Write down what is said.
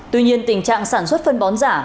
tuy nhiên tình trạng sản xuất phân bón giả